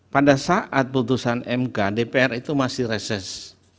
pada saat putusan mk dpr itu masih reses